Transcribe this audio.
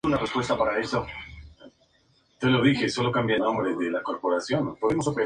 El comandante Salazar logró reorganizar la infantería y continuó la pelea.